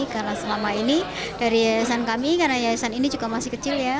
karena selama ini dari yayasan kami karena yayasan ini juga masih kecil ya